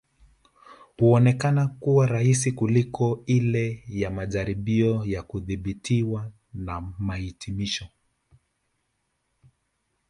Huonekana kuwa rahisi kuliko ile ya majaribio ya kudhibitiwa na mahitimisho